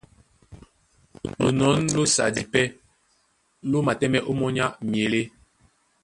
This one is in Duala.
Lonɔ̌n lósadi pɛ́ ló matɛ́mɛ́ ómɔ́ny á myelé.